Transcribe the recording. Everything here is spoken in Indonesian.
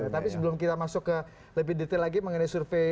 tapi sebelum kita masuk ke lebih detail lagi mengenai survei